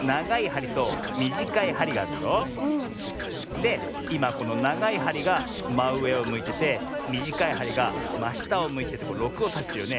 でいまこのながいはりがまうえをむいててみじかいはりがましたをむいてて６をさしてるよね。